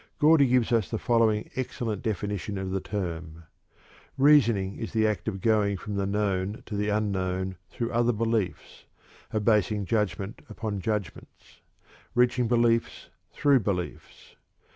Gordy gives us the following excellent definition of the term: "Reasoning is the act of going from the known to the unknown through other beliefs; of basing judgment upon judgments; reaching beliefs through beliefs."